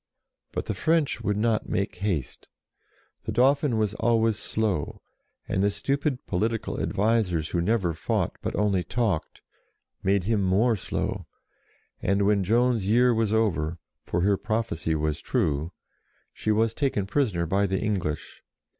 But the French would not make haste. The Dauphin was always slow, and the stupid political advisers who never fought but only talked, made him more slow, and, when Joan's year was over, for her prophecy was true, she was taken prisoner by the English.